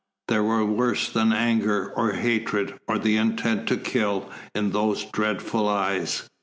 There was worse than anger, or hatred, or the intent to kill, in those dreadful eyes.